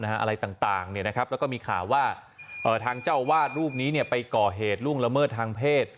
อะไรต่างแล้วก็มีข่าวว่าทางเจ้าวาดรูปนี้ไปก่อเหตุล่วงละเมิดทางเพศ